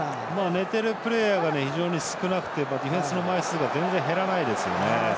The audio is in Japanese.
寝てるプレーヤーが非常に少なくてディフェンスの枚数が全然、減らないですよね。